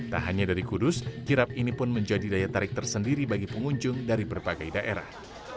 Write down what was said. tak hanya dari kudus kirap ini pun menjadi daya tarik tersendiri bagi pengunjung dari berbagai daerah